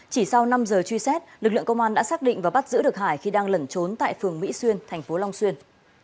chỉ sau năm giờ truy xét lực lượng công an đã xác định và bắt giữ được hải khi đang lẩn trốn tại phường mỹ xuyên thành phố long xuyên